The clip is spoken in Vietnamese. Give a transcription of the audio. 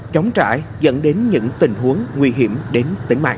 chống trải dẫn đến những tình huống nguy hiểm đến tính mạng